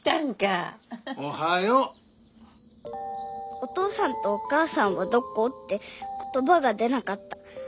「お父さんとお母さんはどこ？」って言葉が出なかった。